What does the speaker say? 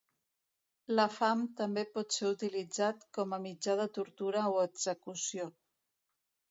La fam també pot ser utilitzat com a mitjà de tortura o execució.